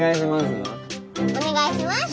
お願いしますは？